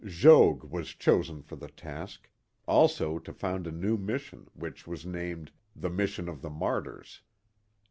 Jogues was chosen for the task; also to found a new mis sion, which was named The Mission of the Martyrs."